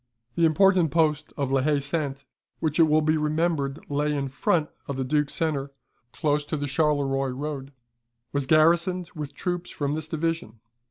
The important post of La Haye Sainte, which it will be remembered lay in front of the Duke's centre, close to the Charleroi road, was garrisoned with troops from this division.